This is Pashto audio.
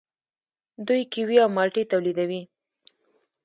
دوی کیوي او مالټې تولیدوي.